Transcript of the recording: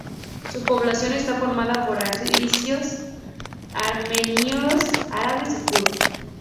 Su población está formada por asirios, armenios, árabes y kurdos.